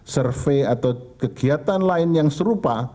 survei atau kegiatan lain yang serupa